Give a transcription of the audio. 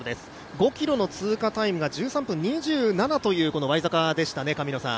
５ｋｍの通過タイムが１３分２７秒でしたね。